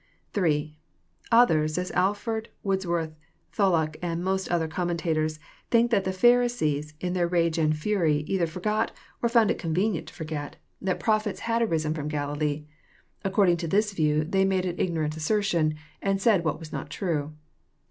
(3) Others, as Alford, Wordsworth, Tholuck, and most other commentators, think that the Pharisees, in their rage aiid fury, either forgot, or found it convenient to forget that prophets 60 EXFOsrroBY thoughts. had arisen from Galilee. According to this view they made an ignorant assertion, and said what was not tme.